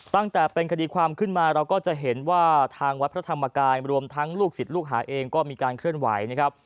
ตั้งแต่เป็นคดีความขึ้นมาเราก็จะเห็นว่าทางวัดพระธรรมกายรวมทั้งลูกศิษย์ลูกหาเองก็มีการเคลื่อนไหวนะครับ